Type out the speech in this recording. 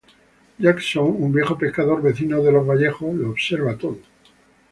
Jackson, un viejo pescador, vecino de los Vallejo, lo observa todo.